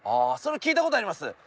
ああそれ聞いたことあります。